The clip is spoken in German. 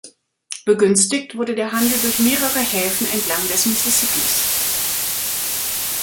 Begünstigt wurde der Handel durch mehrere Häfen entlang des Mississippis.